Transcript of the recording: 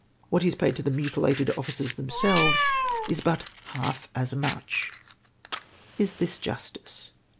What is paid to the mutilated officers themselves is hut half as Qnuch !" Is this justice